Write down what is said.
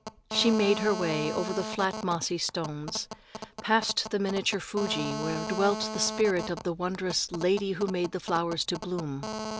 She made her way over the flat mossy stones, passed the miniature Fuji where dwelt the spirit of the wondrous "Lady who made the flowers to bloom."